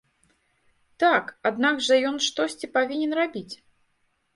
Так, аднак жа ён штосьці павінен рабіць.